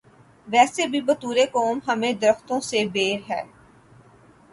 ویسے بھی بطور قوم ہمیں درختوں سے بیر ہے۔